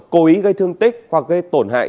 cố ý gây thương tích hoặc gây tổn hại